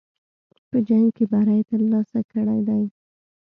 په جنګ کې بری ترلاسه کړی دی.